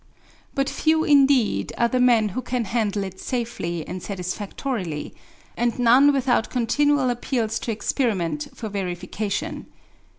But few indeed are the men who can handle it safely and satisfactorily: and none without continual appeals to experiment for verification.